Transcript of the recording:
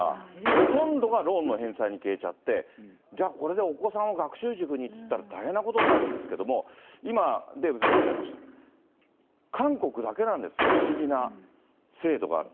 ほとんどがローンの返済に消えちゃって、じゃあ、これでお子さんを学習塾にっていったら大変なことになるんですけれども、今、デーブさんがおっしゃいました、韓国だけなんです、不思議な制度がある。